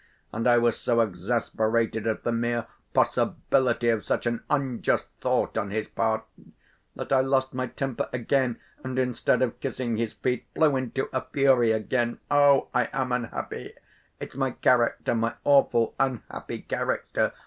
and I was so exasperated at the mere possibility of such an unjust thought on his part that I lost my temper again, and instead of kissing his feet, flew into a fury again! Oh, I am unhappy! It's my character, my awful, unhappy character!